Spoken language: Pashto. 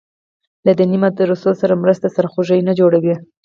له دیني مدرسو سره مرسته سرخوږی نه جوړوي.